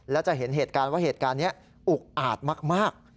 และจะเห็นเหตุการณ์ว่าเหตุการณ์นี้อุกอาจมาก